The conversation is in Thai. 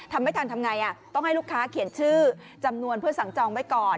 ทำไม่ทันทำไงต้องให้ลูกค้าเขียนชื่อจำนวนเพื่อสั่งจองไว้ก่อน